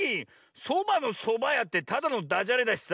「そばのそばや」ってただのダジャレだしさ。